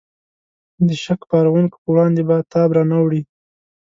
د شک پارونکو په وړاندې به تاب را نه وړي.